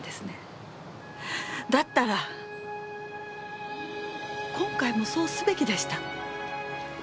だったら今回もそうすべきでした。